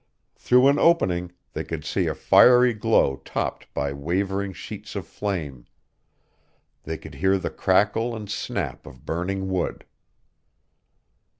Through an opening they could see a fiery glow topped by wavering sheets of flame. They could hear the crackle and snap of burning wood.